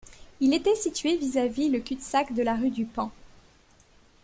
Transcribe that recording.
Il était situé vis-à-vis le cul-de-sac de la rue du Paon.